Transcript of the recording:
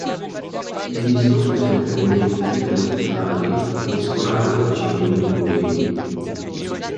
Il disco presenta elementi più tradizionali mescolati ad accenni new wave.